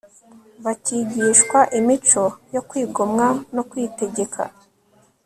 bakigishwa imico yo kwigomwa no kwitegeka